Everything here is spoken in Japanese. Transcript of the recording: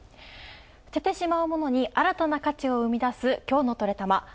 捨ててしまうものに新たな価値を生み出すきょうのトレたま。